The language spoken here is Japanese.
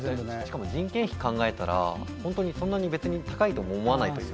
人件費を考えたら、そんなに別に高いとも思わない。